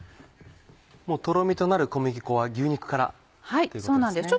もうとろみとなる小麦粉は牛肉からということですね。